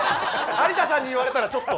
有田さんに言われたらちょっと。